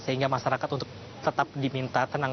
sehingga masyarakat untuk tetap diminta tenang